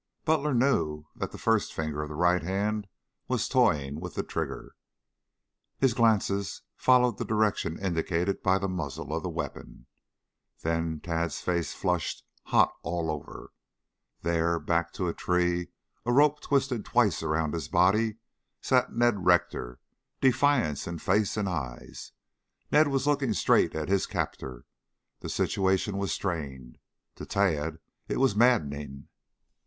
Butler knew that the first finger of the right hand was toying with the trigger. His glances followed the direction indicated by the muzzle of the weapon. Then Tad's face flushed hot all over. There, back to a tree, a rope twisted twice about his body sat Ned Rector, defiance in face and eyes. Ned was looking straight at his captor. The situation was strained. To Tad, it was maddening.